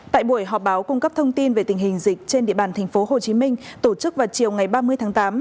tại buổi họp báo cung cấp thông tin về tình hình dịch trên địa bàn tp hcm tổ chức vào chiều ngày ba mươi tháng tám